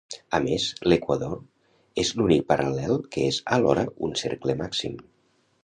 A més, l'equador és l'únic paral·lel que és alhora un cercle màxim.